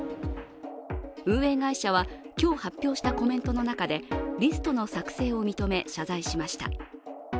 運営会社は、今日発表したコメントの中でリストの作成を認め、謝罪しました。